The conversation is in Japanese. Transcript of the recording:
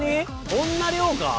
こんな量か？